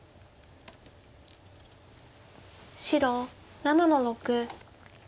白７の六。